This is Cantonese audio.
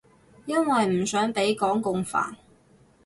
因為唔想畀港共煩